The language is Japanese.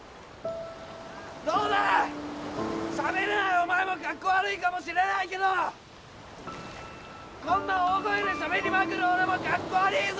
どうだしゃべれないお前もカッコ悪いかもしれないけどこんな大声でしゃべりまくる俺もカッコ悪いぞ！